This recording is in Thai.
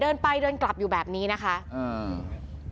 เดินไปเดินกลับอยู่แบบนี้นะคะอืม